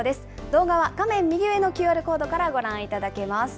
動画は画面右上のＱＲコードからご覧いただけます。